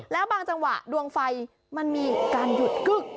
แล้วบางจังหวะดวงไฟมันมีการหยุดกึ๊ก